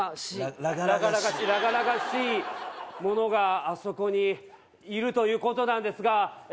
らがらがしいらがらがしいものがあそこにいるということなんですがえ